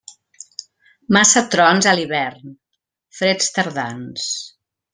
Massa trons a l'hivern, freds tardans.